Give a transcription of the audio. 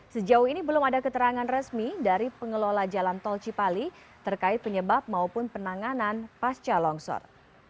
sejauh ini belum ada keterangan resmi dari pengelola jalan tol cipali terkait penyebab maupun penanganan pasca longsor